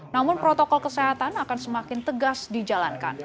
namun protokol kesehatan akan semakin tegas dijalankan